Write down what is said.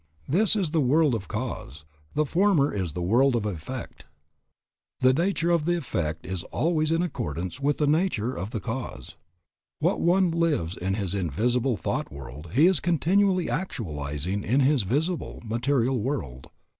This is the world of cause, the former is the world of effect. The nature of the effect is always in accordance with the nature of the cause. What one lives in his invisible, thought world, he is continually actualizing in his visible, material world.